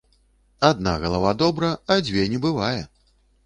Адна галава добра, а дзве не бывае.